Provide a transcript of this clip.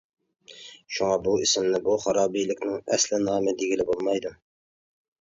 شۇڭا بۇ ئىسىمنى بۇ خارابىلىكنىڭ ئەسلى نامى دېگىلى بولمايدۇ.